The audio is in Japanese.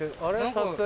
撮影？